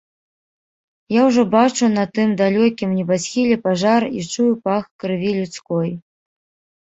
Я ўжо бачу на тым далёкім небасхіле пажар і чую пах крыві людской.